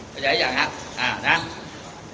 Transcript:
ก็จะอย่างนั้นครับ